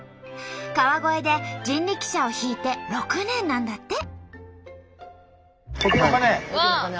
川越で人力車を引いて６年なんだって。